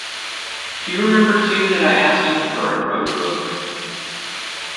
Do you remember too that I asked him for a road-book?